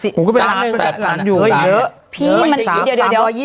ผมก็เป็น๓๐๐๐ล้านนะเป็น๘๐๐๐ล้านอีกเหลือ